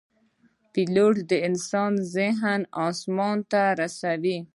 پیلوټ د انسان ذهن آسمان ته رسوي.